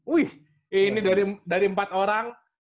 wih ini dari empat orang